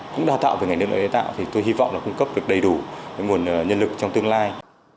cũng đào tạo về ngành năng lượng tái tạo thì tôi hy vọng là cung cấp được đầy đủ nguồn nhân lực trong tương lai